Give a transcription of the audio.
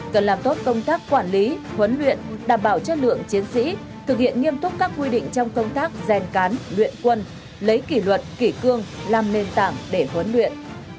cần làm tốt công tác quản lý huấn luyện đảm bảo chất lượng chiến sĩ thực hiện nghiêm túc các quy định trong công tác rèn cán luyện quân lấy kỷ luật kỷ cương làm nền tảng để huấn luyện